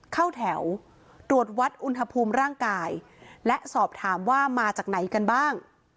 เข้าแถวตรวจวัดอุณหภูมิร่างกายและสอบถามว่ามาจากไหนกันบ้าง